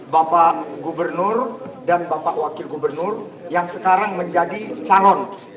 bapak gubernur dan bapak wakil gubernur yang sekarang menjadi calon